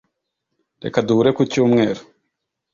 Reka duhure ku cyumweru